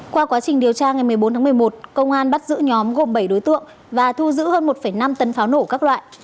qua quá trình điều tra ngày một mươi bốn tháng một mươi một công an bắt giữ nhóm gồm bảy đối tượng và thu giữ hơn một năm tấn pháo nổ các loại